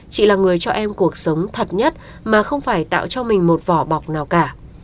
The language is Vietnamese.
chị là người cho em cuộc sống thật nhất mà không phải tạo cho mình một vỏ bọc nào cả